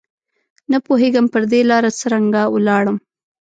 نه پوهېږم پر دې لاره څرنګه ولاړم